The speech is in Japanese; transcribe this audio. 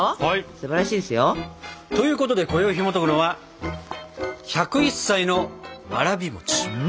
すばらしいですよ。ということでこよいひもとくのは「１０１歳のわらび餅」。